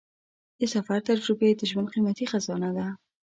د سفر تجربې د ژوند قیمتي خزانه ده.